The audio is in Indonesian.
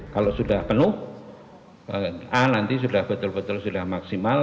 kalau sudah penuh a nanti sudah betul betul sudah maksimal